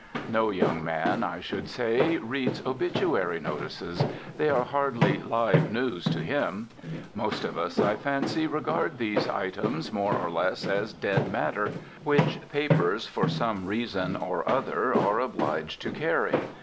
No young man, I should say, reads obituary notices. They are hardly "live news" to him. Most of us, I fancy, regard these "items" more or less as "dead matter" which papers for some reason or other are obliged to carry.